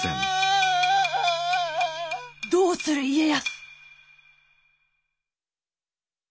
どうする家康。